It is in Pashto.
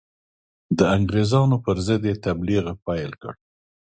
د انګرېزانو پر ضد یې تبلیغ پیل کړ.